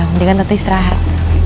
mendingan tante istirahat